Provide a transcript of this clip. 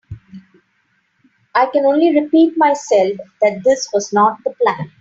I can only repeat myself that this was not the plan.